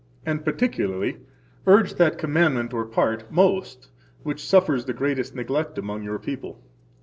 And particularly, urge that commandment or part most which suffers the greatest neglect among your people.